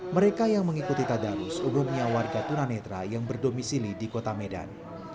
mereka yang mengikuti tadarus umumnya warga tunanetra yang berdomisili di kota medan